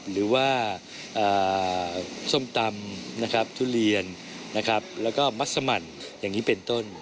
หรือว่าส้มตำทุเรียนแล้วก็มัสมันอย่างนี้เป็นต้น